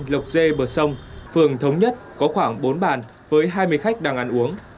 lộc dê bờ sông phường thống nhất có khoảng bốn bàn với hai mươi khách đang ăn uống